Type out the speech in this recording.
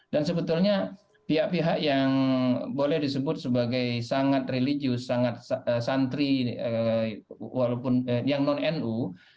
dan sebetulnya pihak pihak yang boleh disebut sebagai sangat religius sangat santri yang non nu